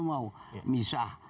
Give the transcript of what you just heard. mereka kan ini mau misah